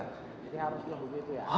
jadi harusnya begitu ya